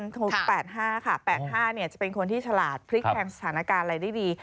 โทร๘๕ค่ะ๘๕จะเป็นคนที่ฉลาดพลิกแทงสถานการณ์อะไรได้ดี